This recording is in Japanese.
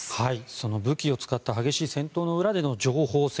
その武器を使った激しい戦闘の裏での情報戦